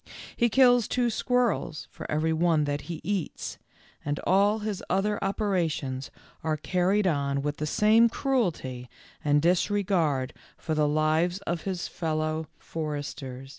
He kills two squirrels for every one that he eats, and all his other operations are carried on with the same cruelty and disregard for the lives of his fellow 101 102 THE LITTLE FORESTERS. foresters.